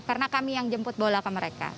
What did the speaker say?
karena kami yang jemput bola ke mereka